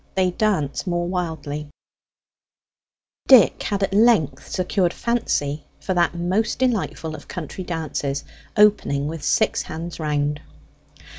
THEY DANCE MORE WILDLY Dick had at length secured Fancy for that most delightful of country dances, opening with six hands round.